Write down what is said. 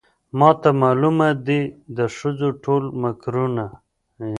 ماته معلومه دي د ښځو ټول مکرونه